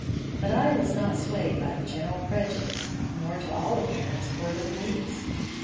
But I was not swayed by the general prejudice, nor, to all appearance, were the police.